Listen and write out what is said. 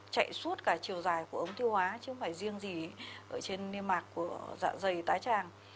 chạy suốt cả chiều dài của ống tiêu hóa chứ không phải riêng gì ở trên niêm mạc của dạ dày tái tràng